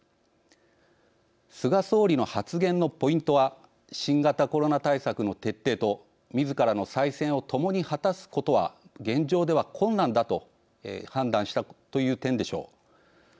菅総理の発言のポイントは新型コロナ対策の徹底とみずからの再選をともに果たすことは現状では困難だと判断したという点でしょう。